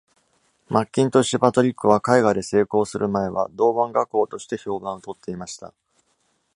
マッキントッシュ・パトリックは、絵画で成功する前は銅版画工として評判をとっていました。